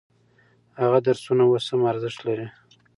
هغه درسونه اوس هم ارزښت لري.